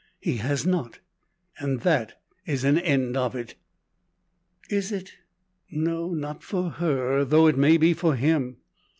He has not, and that is an end of it. Is it? No; not for her, though it may be for him.